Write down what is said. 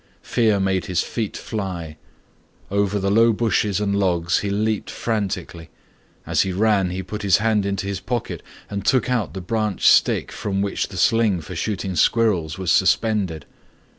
Fear made his feet fly. Over the low bushes and logs he leaped frantically. As he ran he put his hand into his pocket and took out the branched stick from which the sling for shooting squirrels was suspended.